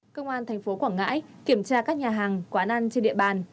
công an tp quảng ngãi kiểm tra các nhà hàng quán ăn trên địa bàn